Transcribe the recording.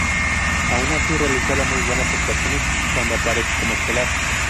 Aun así, realiza muy buenas actuaciones cuando aparece como estelar.